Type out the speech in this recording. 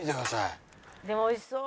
「でも美味しそう」